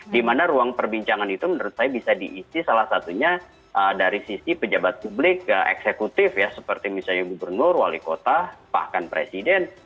di mana ruang perbincangan itu menurut saya bisa diisi salah satunya dari sisi pejabat publik eksekutif ya seperti misalnya gubernur wali kota bahkan presiden